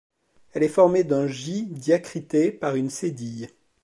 Elle est formée d'un J diacrité par une cédille.